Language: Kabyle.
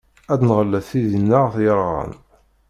Ad nɣellet tidi-nneɣ yerɣan.